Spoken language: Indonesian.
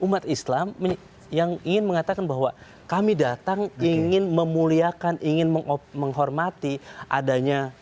umat islam yang ingin mengatakan bahwa kami datang ingin memuliakan ingin menghormati adanya